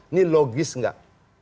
ini logis tidak